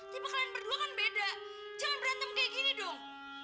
tipe kalian berdua kan beda jangan berantem kayak gini dong